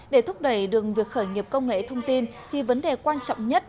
để thúc đẩy đường việc khởi nghiệp công nghệ thông tin thì vấn đề quan trọng nhất